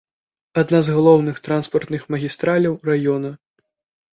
Адна з галоўных транспартных магістраляў раёна.